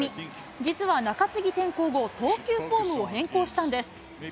実は中継ぎ転向後、投球フォームを変更したんです。